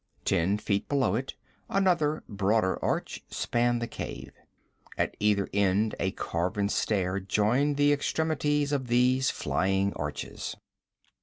Ten feet below it another, broader arch spanned the cave. At either end a carven stair joined the extremities of these flying arches.